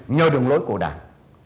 nhờ đường lối của đảng